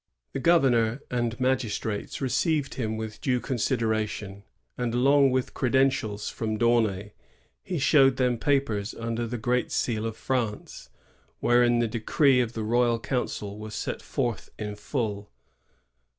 The gov ernor and magistrates received him with due consid eration; and along with credentials from D^Aunay he showed them papers under the great seal of France, wherein the decree of the royal council was set forth in full.